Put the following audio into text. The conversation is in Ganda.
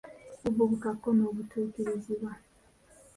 Buvubuka ko n’obutuukirizibwa